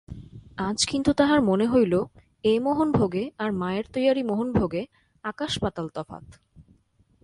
আজ কিন্তু তাহাব মনে হইল এ মোহনভোগে আর মাযের তৈয়ারি মোহনভোগে আকাশ-পাতাল তফাত!